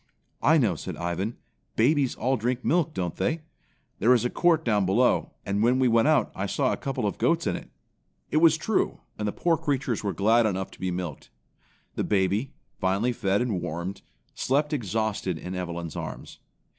"I know," said Ivan. "Babies all drink milk, don't they? There is a court down below, and when we went out I saw a couple of goats in it." It was true, and the poor creatures were glad enough to be milked. The baby, finally fed and warmed, slept exhausted in Evelyn's arms.